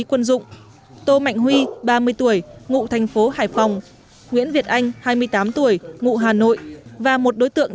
quân dụng tô mạnh huy ba mươi tuổi ngụ thành phố hải phòng nguyễn việt anh hai mươi tám tuổi ngụ hà nội và một đối tượng